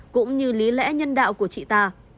cũng như lý lẽ nhân đạo của chị ta